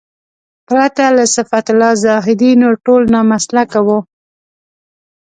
پرته له صفت الله زاهدي نور ټول نامسلکه وو.